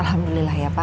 alhamdulillah ya pak